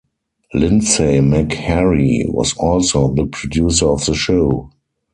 Lindsay MacHarrie was also the producer of the show.